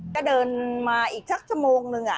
ก็เดินมาอีกสักชั่วโมงนึง